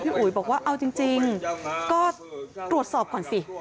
อุ๋ยบอกว่าเอาจริงก็ตรวจสอบก่อนสิ